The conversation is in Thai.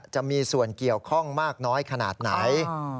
จะมีส่วนเกี่ยวข้องมากน้อยขนาดไหน